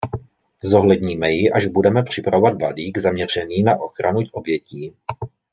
Zohledníme ji, až budeme připravovat balík zaměřený na ochranu obětí.